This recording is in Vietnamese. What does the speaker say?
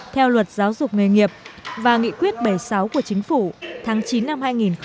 theo luật giáo dục nghề nghiệp và nghị quyết bảy mươi sáu của chính phủ tháng chín năm hai nghìn một mươi tám